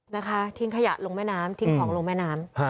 นะคะทิ้งขยะลงแม่น้ำทิ้งของลงแม่น้ำ